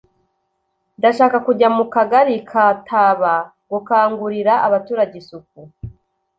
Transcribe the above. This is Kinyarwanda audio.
ndashaka kujya mu kagari ka taba gukangurira abaturage isuku